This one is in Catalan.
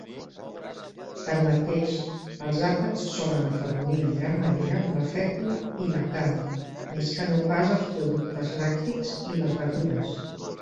Tanmateix, els àpats solen afavorir en gran manera la fècula i la carn més que no pas els productes lactis i les verdures.